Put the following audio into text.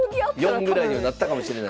４ぐらいにはなったかもしれない。